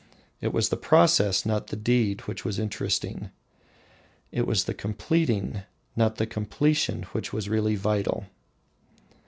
It was the process, not the deed, which was interesting. It was the completing, not the completion, which was really vital.